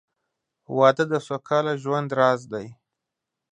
• واده د سوکاله ژوند راز دی.